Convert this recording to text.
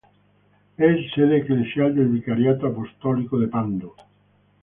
Es sede Eclesial del Vicariato Apostólico de Pando.